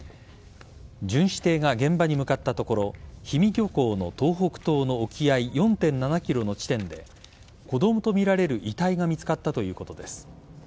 巡視艇が現場に向かったところ氷見漁港の東北東の沖合４．７ｋｍの地点で子供とみられる遺体が見つかったということです。